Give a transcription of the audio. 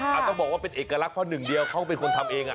ต้องบอกว่าเป็นเอกลักษณ์เพราะหนึ่งเดียวเขาเป็นคนทำเอง